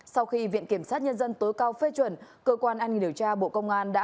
sau khi viện kiểm sát nhân dân tối cao phê chuẩn cơ quan an ninh điều tra bộ công an đã